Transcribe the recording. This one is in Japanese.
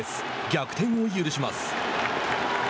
逆転を許します。